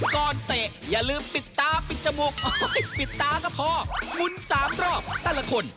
เตะอย่าลืมปิดตาปิดจมูกปิดตาก็พอมุน๓รอบแต่ละคน